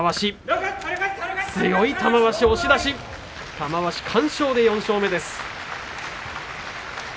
玉鷲、完勝で４勝目です。